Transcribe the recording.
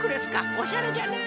おしゃれじゃな。